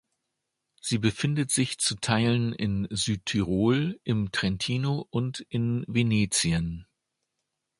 Sie befindet sich zu Teilen in Südtirol, im Trentino und in Venetien.